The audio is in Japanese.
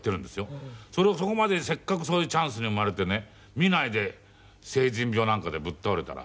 それをそこまでせっかくそういうチャンスに生まれてね見ないで成人病なんかでぶっ倒れたら。